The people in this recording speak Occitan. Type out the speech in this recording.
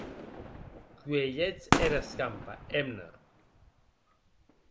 Cuelhetz era escampa, hemna.